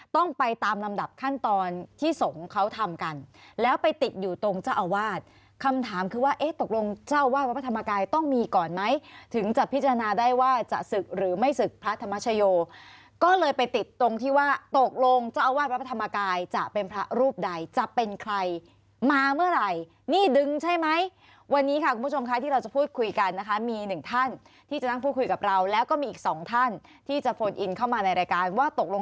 ต้องไปตามลำดับขั้นตอนที่ส่งเขาทำกันแล้วไปติดอยู่ตรงเจ้าอาวาสคำถามคือว่าเอ๊ะตกลงเจ้าอาวาสพระธรรมกายต้องมีก่อนไหมถึงจะพิจารณาได้ว่าจะศึกหรือไม่ศึกพระธรรมชโยก็เลยไปติดตรงที่ว่าตกลงเจ้าอาวาสพระธรรมกายจะเป็นพระรูปใดจะเป็นใครมาเมื่อไหร่นี่ดึงใช่ไหมวันนี้ค่ะคุณ